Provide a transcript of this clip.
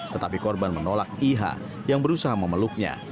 tetapi korban menolak iha yang berusaha memeluknya